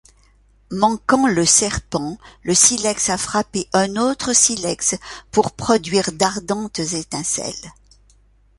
Manquant le serpent, le silex a frappé un autre silex pour produire d'ardentes étincelles.